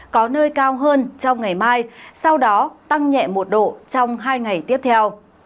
có nơi cao hơn trong ngày mai sau đó tăng nhẹ một độ trong hai ngày tiếp theo